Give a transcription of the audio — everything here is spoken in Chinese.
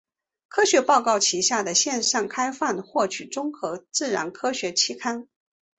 科学报告旗下的线上开放获取综合自然科学期刊。